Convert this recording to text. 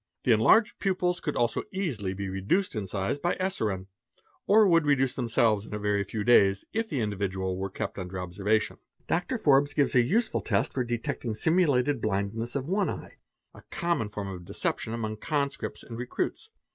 The enlarged pupils could also easily be reduced in size by eserine, or would reduce themselves in a very few days if the individual were kept under observation." _ Dr. Forbes gives a useful test for detecting simulated blindness of one u eye, a common form of deception among conscripts and recruits.